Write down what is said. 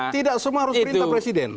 tidak semua harus perintah presiden